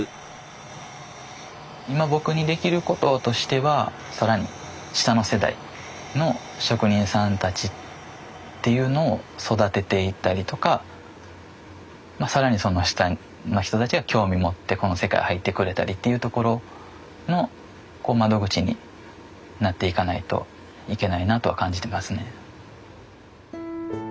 今僕にできることとしては更に下の世代の職人さんたちっていうのを育てていったりとか更にその下の人たちが興味持ってこの世界入ってくれたりっていうところの窓口になっていかないといけないなとは感じてますね。